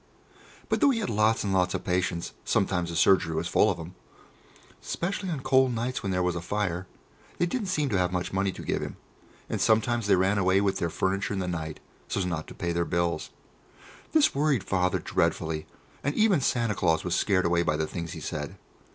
But though he had lots and lots of patients sometimes the surgery was full of them, 'specially on cold nights when there was a fire they didn't seem to have much money to give him, and sometimes they ran away with their furniture in the night so's not to pay their bills. This worried Father dreadfully, and even Santa Claus was scared away by the things he said.